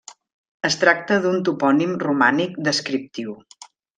Es tracta d'un topònim romànic descriptiu.